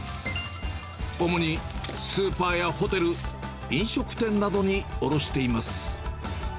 主にスーパーやホテル、飲食店などに卸しています。